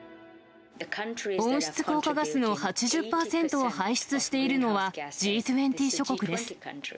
温室効果ガスの８０％を排出しているのは、Ｇ２０諸国です。